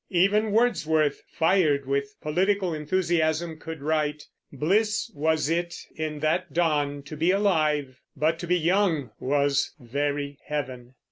Even Wordsworth, fired with political enthusiasm, could write, Bliss was it in that dawn to be alive, But to be young was very heaven.